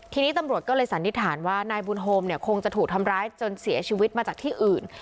ทีนี้ตำรวจก็เลยสันนิษฐานว่านายบุญโฮมเนี่ยคงจะถูกทำร้ายจนเสียชีวิตมาจากที่อื่น